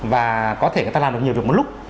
và có thể người ta làm được nhiều việc một lúc